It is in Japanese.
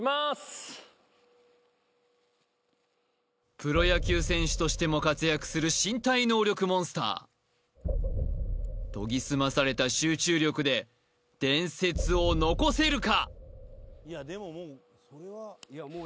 プロ野球選手としても活躍する身体能力モンスター研ぎ澄まされた集中力で伝説を残せるか？